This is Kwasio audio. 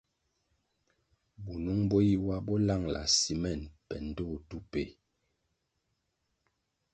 Bunung bo yi wa bo langʼla simel gina pe ndtoh tu peh.